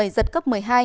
giật cấp một mươi hai